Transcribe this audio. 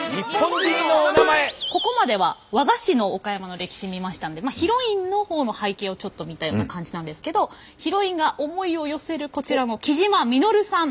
ここまでは和菓子の岡山の歴史見ましたんでヒロインの方の背景をちょっと見たような感じなんですけどヒロインが思いを寄せるこちらの雉真稔さん。